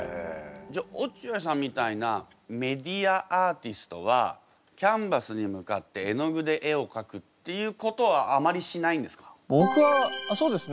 じゃあ落合さんみたいなメディアアーティストはキャンバスに向かって絵の具で絵をかくっていうことはあまりしないんですか？